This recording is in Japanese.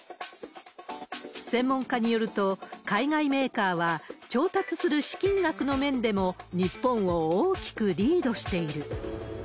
専門家によると、海外メーカーは、調達する資金額の面でも日本を大きくリードしている。